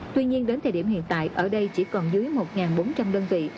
tuy nhiên đến thời điểm hiện tại ở đây chỉ còn dưới một bốn trăm linh đơn vị